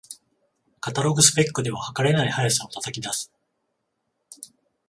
カタログスペックでは、はかれない速さを叩き出す